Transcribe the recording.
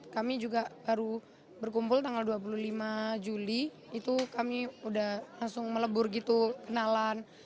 kami juga baru berkumpul tanggal dua puluh lima juli itu kami udah langsung melebur gitu kenalan